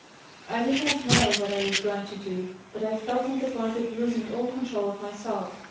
I did not know what I was going to do, but I felt on the point of losing all control of myself.